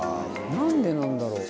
何でなんだろう？